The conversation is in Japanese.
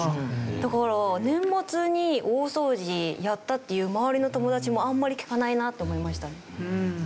だから年末に大掃除やったっていう周りの友達もあんまり聞かないなと思いました。